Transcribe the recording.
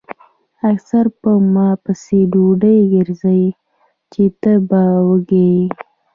اکثر پۀ ما پسې ډوډۍ ګرځئ چې تۀ به وږے ئې ـ